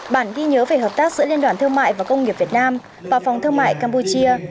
bản ghi nhớ về hợp tác giữa liên đoàn thương mại và công nghiệp việt nam và phòng thương mại campuchia